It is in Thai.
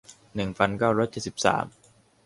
หนึ่งพันเก้าร้อยเจ็ดสิบสาม